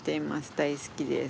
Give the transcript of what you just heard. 大好きです」。